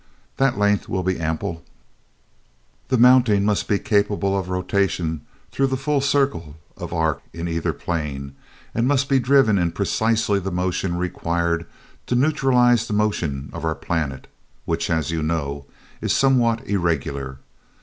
"That length will be ample." "The mounting must be capable of rotation through the full circle of arc in either plane, and must be driven in precisely the motion required to neutralize the motion of our planet, which, as you know, is somewhat irregular.